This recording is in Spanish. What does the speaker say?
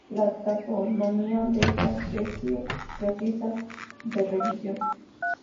La taxonomía de esta especie precisa de revisión.